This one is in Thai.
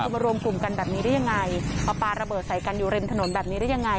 คือมารวมกลุ่มกันแบบนี้ได้ยังไงมาปลาระเบิดใส่กันอยู่ริมถนนแบบนี้ได้ยังไง